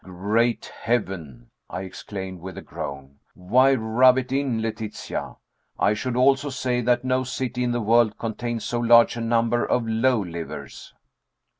"Great Heaven!" I exclaimed with a groan, "why rub it in, Letitia? I should also say that no city in the world contained so large a number of low livers."